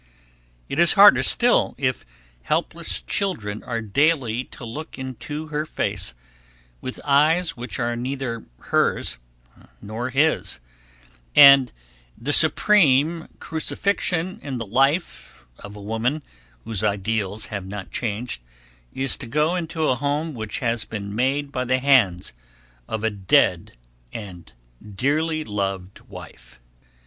It is harder still, if helpless children are daily to look into her face, with eyes which are neither hers nor his, and the supreme crucifixion in the life of a woman whose ideals have not changed, is to go into a home which has been made by the hands of a dead and dearly loved wife.